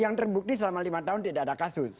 yang terbukti selama lima tahun tidak ada kasus